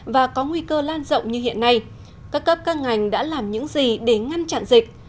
và có nguy cơ lan rộng như hiện nay các cấp các ngành đã làm những gì để ngăn chặn dịch